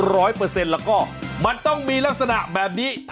แล้วก็มันต้องมีลักษณะแบบนี้